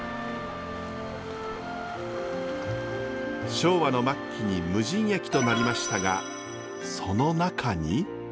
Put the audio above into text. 昭和の末期に無人駅となりましたがその中に。